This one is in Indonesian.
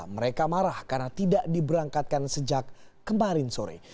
mereka marah karena tidak diberangkatkan sejak kemarin sore